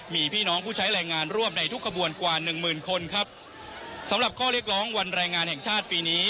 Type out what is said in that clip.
มีพี่น้องผู้ใช้แรงงานร่วมในทุกขบวนกว่าหนึ่งหมื่นคนครับสำหรับข้อเรียกร้องวันแรงงานแห่งชาติปีนี้